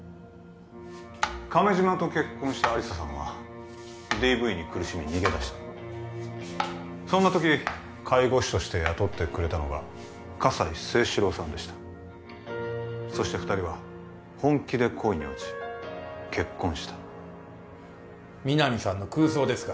亀島と結婚した亜理紗さんはＤＶに苦しみ逃げ出したそんな時介護士として雇ってくれたのが葛西征四郎さんでしたそして二人は本気で恋に落ち結婚した皆実さんの空想ですか？